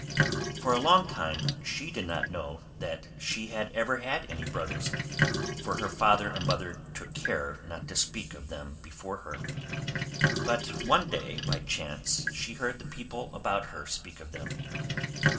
For a long time she did not know that she had ever had any brothers; for her father and mother took care not to speak of them before her: but one day by chance she heard the people about her speak of them.